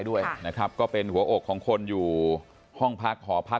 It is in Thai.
ด้วยนะครับก็เป็นหัวอกของคนอยู่ห้องพักหอพัก